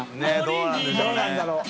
どうなんだろう？）